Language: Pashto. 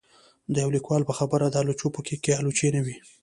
د يو ليکوال په خبره د آلوچو په کېک کې آلوچې نه وې